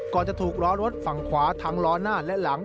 จะถูกล้อรถฝั่งขวาทั้งล้อหน้าและหลัง